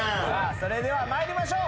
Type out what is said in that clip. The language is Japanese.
それでは参りましょう。